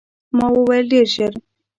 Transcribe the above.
ما وویل، ډېر ژر.